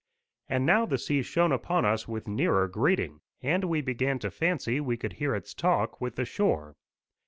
And now the sea shone upon us with nearer greeting, and we began to fancy we could hear its talk with the shore.